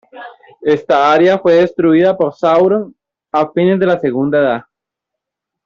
Esta área fue destruida por Sauron a fines de la Segunda Edad.